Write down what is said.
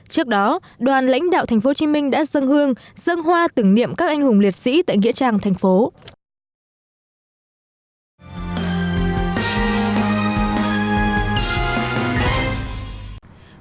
trước đó đoàn lãnh đạo tp hcm đã dâng hương dâng hoa tưởng niệm các anh hùng liệt sĩ tại nghĩa trang tp hcm